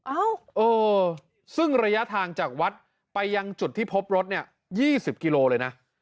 อ้าวเออซึ่งระยะทางจากวัดไปยังจุดที่พบรถ๒๐กิโลเมตรเลยนะ